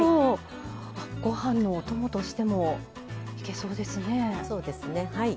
ご飯のお供としてもいけそうですね。